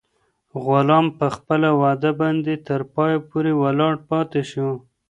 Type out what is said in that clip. غلام په خپله وعده باندې تر پایه پورې ولاړ پاتې شو.